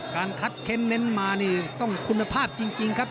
การคัดเค้นเน้นมานี่ต้องคุณภาพจริงครับ